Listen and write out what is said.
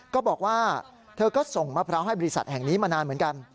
ก็บอกว่าเธอก็ส่งมะพร้าวให้บริษัทแห่งนี้มานานเหมือนกัน